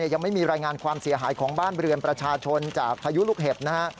ยังไม่มีรายงานความเสียหายของบ้านเรือนประชาชนจากพายุลูกเห็บนะฮะ